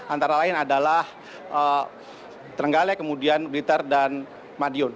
antara lain adalah trenggale kemudian blitar dan madiun